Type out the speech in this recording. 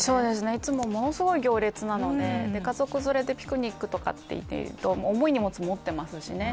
いつも、ものすごい行列なので家族連れでピクニックとなると重い荷物も持っていますしね。